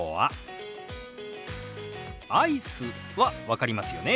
「アイス」は分かりますよね。